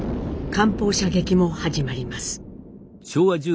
艦砲射撃も始まります。